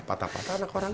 patah patah anak orang